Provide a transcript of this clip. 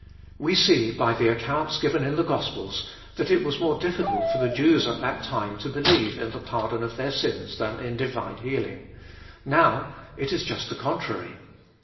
We see, by the accounts given in the Gospels, that it was more difficult for the Je<ws at that done to believe in the pardon of their sins than m divine healing. Now it is just the contrary.